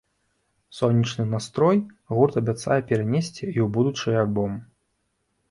Сонечны настрой гурт абяцае перанесці і ў будучы альбом.